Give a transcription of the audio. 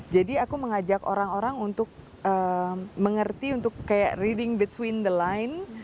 jadi aku mengajak orang orang untuk mengerti untuk kayak reading between the line